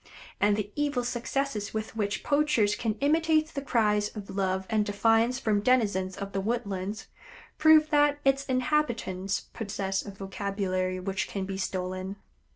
And the evil success with which poachers can imitate the cries of love and defiance from denizens of the woodlands, proves that its inhabitants possess a vocabulary which can be stolen.